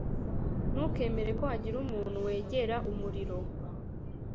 Ntukemere ko hagira umuntu wegera umuriro.